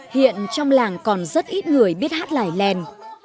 hiện trong làng còn rất ít người biết hát lải lèn